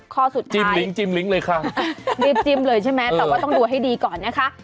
ข้อสุดท้ายจิ้มลิ้งจิ้มลิ้งเลยค่ะรีบจิ้มเลยใช่ไหมแต่ว่าต้องดูให้ดีก่อนนะคะ